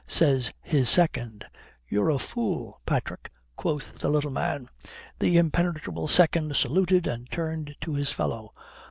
says his second. "You're a fool, Patrick," quoth the little man. The impenetrable second saluted and turned to his fellow.